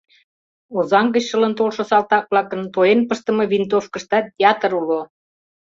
Озаҥ гыч шылын толшо салтак-влакын тоен пыштыме винтовкыштат ятыр уло.